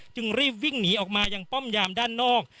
จึงรีบวิ่งหนีออกมายังป้อมยามด้านนอก